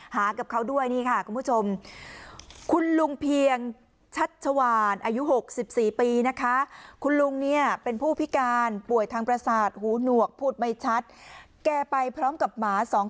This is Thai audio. หากับเขาด้วยนี่ค่ะคุณผู้ชม